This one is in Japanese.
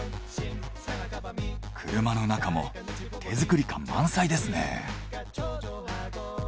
車の中も手作り感満載ですね。